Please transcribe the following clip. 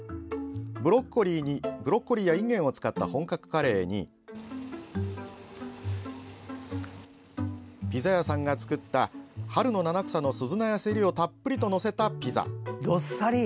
ブロッコリーやインゲンを使った本格カレーにピザ屋さんが作った春の七草のすずなやせりをたっぷりと載せたピザ。